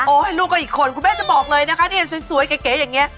โอ้โฮรูปกับอีกคนคุณแม่จะบอกเลยนะคะสวยเก๊ยอย่างนี้